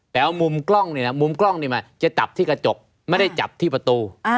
เอามุมกล้องเนี่ยนะมุมกล้องนี่มาจะจับที่กระจกไม่ได้จับที่ประตู